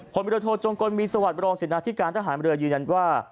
บริโทจงกลมีสวัสดิบรองศินาธิการทหารเรือยืนยันว่า